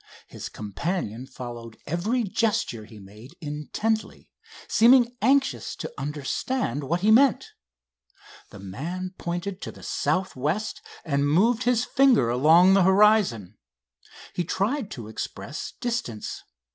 His companion followed every gesture he made intently, seeming anxious to understand what he meant. The man pointed to the southwest, and moved his finger along the horizon. He tried to express distance.